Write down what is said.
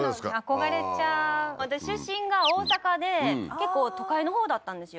憧れちゃう私出身が大阪で結構都会のほうだったんですよ